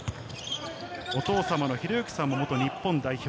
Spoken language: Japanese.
お父様の啓之さんも元日本代表。